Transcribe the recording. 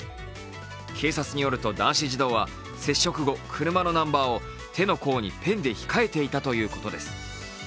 警察によると男子児童は接触後、車のナンバーを手の甲にペンで控えていたということです。